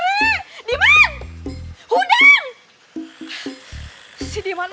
si diman masih enak juga bangke yang mau disepuluh